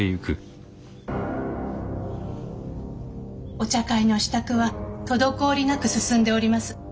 お茶会の支度は滞りなく進んでおります。